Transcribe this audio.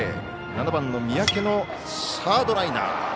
７番の三宅のサードライナー。